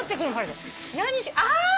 あ！